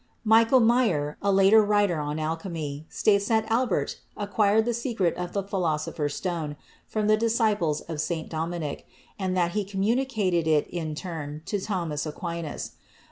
Michael Maier, a later writer on alchemy, states that Albert acquired the secret of the Philosopher's Stone from the disciples of St. Dominic and that he communicated it in turn to Thomas Aquinas.